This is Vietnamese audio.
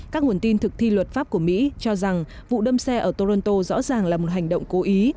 các nguồn tin thực thi luật pháp của mỹ cho rằng vụ đâm xe ở toronto rõ ràng là một hành động cố ý